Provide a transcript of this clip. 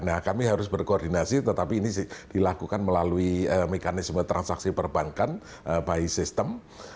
nah kami harus berkoordinasi tetapi ini dilakukan melalui mekanisme transaksi perbankan by system